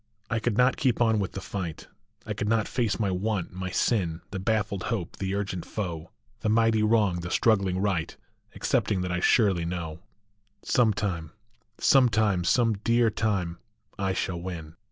I could not keep on with the fight ; I could not face my want, my sin, The baffled hope, the urgent foe, The mighty wrong, the struggling right, Excepting that I surely know Some time Some time, some dear time, I shall win.